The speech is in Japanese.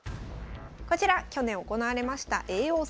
こちら去年行われました叡王戦。